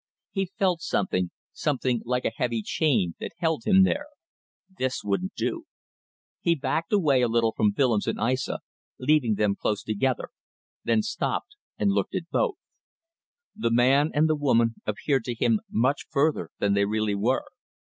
He felt something, something like a heavy chain, that held him there. This wouldn't do. He backed away a little from Willems and Aissa, leaving them close together, then stopped and looked at both. The man and the woman appeared to him much further than they really were.